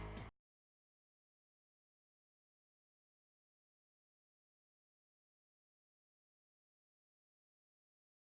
mulai dari tol siawi gadog tanjakan selarong megamendung simpang taman safari pasar sisarua hingga puncak pas bogor